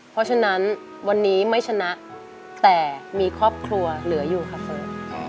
เพราะฉะนั้นวันนี้ไม่ชนะแต่มีครอบครัวเหลืออยู่ค่ะเฟิร์น